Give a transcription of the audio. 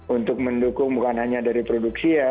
untuk mendukung bukan hanya dari produksi ya